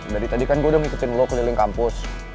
dari tadi kan gue udah ngikutin lo keliling kampus